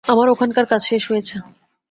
আমার ওখানকার কাজ শেষ হয়েছে।